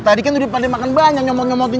tadi kan udah pade makan banyak nyomot nyomotin